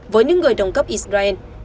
với những người đồng cấp israel